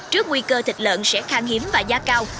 trước nguy cơ thịt lợn sẽ khang hiếm và giá cao